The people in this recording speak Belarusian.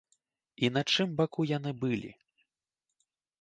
І на чыім баку яны былі?